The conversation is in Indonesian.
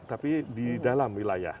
tapi di dalam wilayah